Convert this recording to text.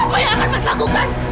apa yang akan mas lakukan